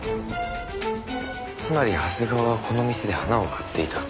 つまり長谷川はこの店で花を買っていた。